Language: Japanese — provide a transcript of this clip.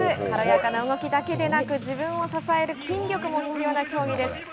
軽やかな動きだけでなく自分を支える筋力も必要な競技です。